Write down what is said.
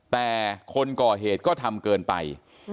แต่คนก่อเหตุก็ทำเกินไป